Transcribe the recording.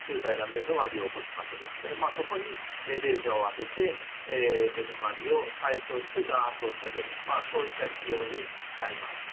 まあそこにレーザーを当てて目づまりを解消して眼圧を下げるそういった治療になります。